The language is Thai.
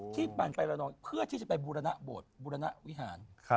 ที่ปั่นไปเพื่อที่จะไปบูรณะโบสถ์บูรณะวิหาร